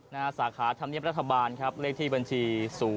หน้าสาขาธรรมเนียมรัฐบาลครับเลขที่บัญชี๐๖๗๐๐๖๘๙๕๐